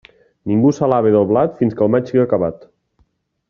Ningú s'alabe del blat fins que el maig siga acabat.